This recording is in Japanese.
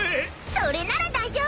［それなら大丈夫！］